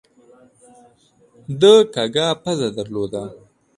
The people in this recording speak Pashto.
ده کږه پزه درلوده.